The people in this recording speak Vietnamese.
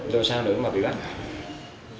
đua xe là đối với bắt